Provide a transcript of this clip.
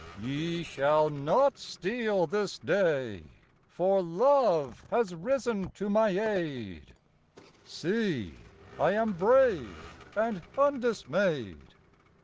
Ye shall not steal this day, For love has risen to my aid, See, I am brave and undismayed!